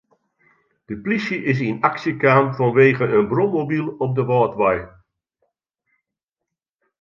De plysje is yn aksje kaam fanwegen in brommobyl op de Wâldwei.